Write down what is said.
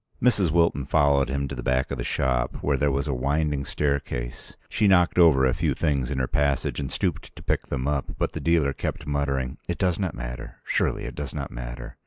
Mrs. Wilton followed him to the back of the shop, where there was a winding staircase. She knocked over a few things in her passage and stooped to pick them up, but the dealer kept muttering, "It does not matter—surely it does not matter."